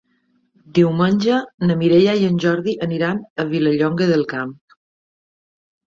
Diumenge na Mireia i en Jordi aniran a Vilallonga del Camp.